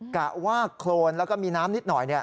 กะว่าโครนแล้วก็มีน้ำนิดหน่อย